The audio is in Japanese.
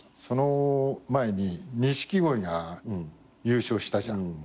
その前に錦鯉が優勝したじゃん。